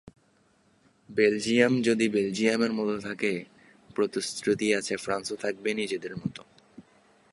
Belgium যদি বেলজিয়ামের মতো থাকে, প্রতিশ্রুতি আছে ফ্রান্সও থাকবে নিজেদের মতো।